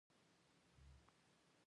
او پر کباړي مې خرڅول.